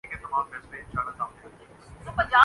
اپنی پہچان کرنے کے بعد ہی آپ کو خالق کی پہچان ہوگی۔